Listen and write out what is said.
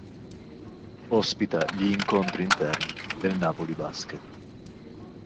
Ospita gli incontri interni del Napoli Basket.